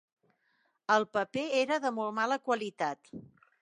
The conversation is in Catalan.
El paper era de molt mala qualitat.